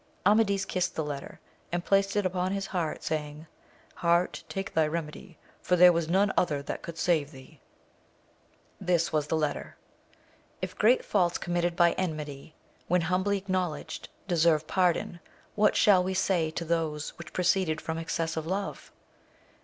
Amadis kissed the letter, and placed it upon his heart, saying. Heart, take thy remedy, for there was none other that could save thee ! This was the letter : If great faults committed by enmity, when humbly acknowledged, deserve pardon, what shall we say to those which proceeded from excess of love